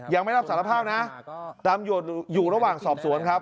ยังไม่รับสารภาพนะตำรวจอยู่ระหว่างสอบสวนครับ